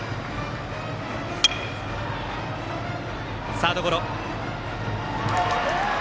サードゴロ。